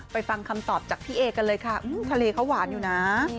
ฟังคำตอบจากพี่เอกันเลยค่ะทะเลเขาหวานอยู่นะ